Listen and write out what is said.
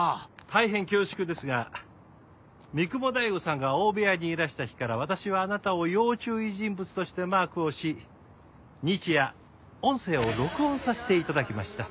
大変恐縮ですが三雲大悟さんが大部屋にいらした日から私はあなたを要注意人物としてマークをし日夜音声を録音させて頂きました。